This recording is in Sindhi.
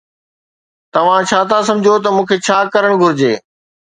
توهان ڇا ٿا سمجهو ته مون کي ڇا ڪرڻ گهرجي؟